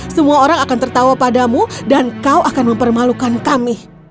semua orang akan tertawa padamu dan kau akan mempermalukan kami